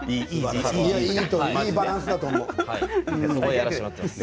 いいバランスだと思いますよ。